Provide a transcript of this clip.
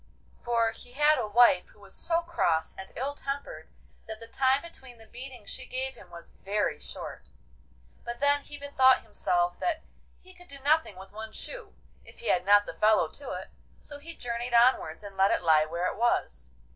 For he had a wife who was so cross and ill tempered that the time between the beatings she gave him was very short. But then he bethought himself that he could do nothing with one shoe if he had not the fellow to it, so he journeyed onwards and let it lie where it was.